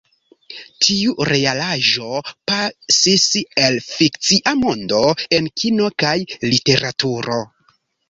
Tiu realaĵo pasis al fikcia mondo en kino kaj literaturo.